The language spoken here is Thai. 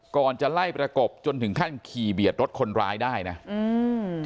ก่อนจะไล่ประกบจนถึงขั้นขี่เบียดรถคนร้ายได้นะอืม